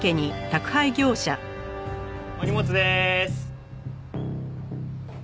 お荷物でーす。